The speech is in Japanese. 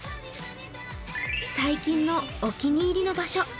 最近のお気に入りの場所